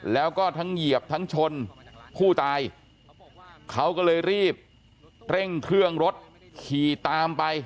แล้วก็ทั้งเหยียบทั้งชนผู้ตายเขาก็เลยรีบเร่งเครื่องรถขี่ตามไป